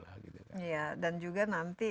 iya dan juga nanti